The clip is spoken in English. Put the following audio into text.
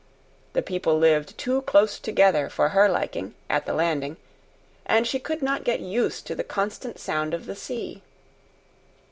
The people lived too close together for her liking, at the Landing, and she could not get used to the constant sound of the sea.